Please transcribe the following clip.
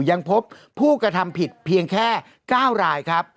ยังพบผู้กระทำผิดเพียงแค่๙รายครับ